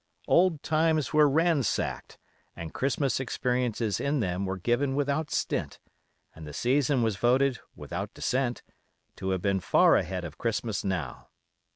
Old times were ransacked and Christmas experiences in them were given without stint, and the season was voted, without dissent, to have been far ahead of Christmas now.